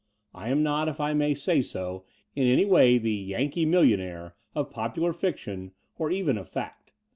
I am not, if I may say so, in any way the Yankee millionaire" of poptilar fiction or even of fact.